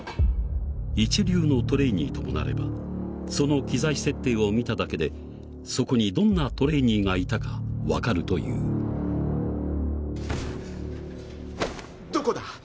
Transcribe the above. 一流のトレーニーともなればその機材設定を見ただけでそこにどんなトレーニーがいたか分かるというどこだ？